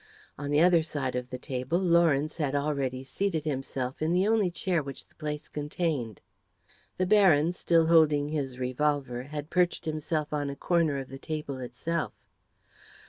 On the other side of the table Lawrence had already seated himself on the only chair which the place contained. The Baron, still holding his revolver, had perched himself on a corner of the table itself.